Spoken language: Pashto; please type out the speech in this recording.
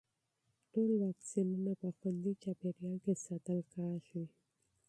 ټول واکسینونه په خوندي چاپېریال کې ساتل کېږي.